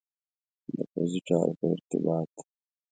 د پوځي چارو په ارتباط.